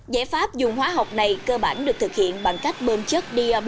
giải pháp dùng hóa học này cơ bản được thực hiện bằng cách bơm chất drb